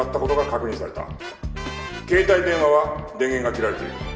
携帯電話は電源が切られている。